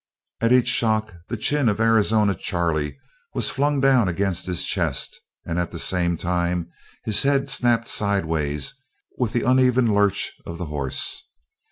At each shock the chin of Arizona Charley was flung down against his chest and at the same time his head snapped sideways with the uneven lurch of the horse.